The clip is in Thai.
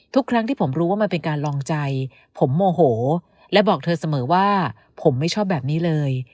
ทุกครั้งที่ผมรู้ว่ามันเป็นการลองใจผมโมโหและบอกเธอเสมอว่าผมไม่ชอบแบบนี้เลย